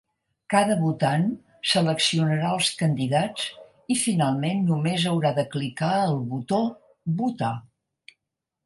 Cada votant seleccionarà els candidats i finalment només haurà de clicar el botó “votar”.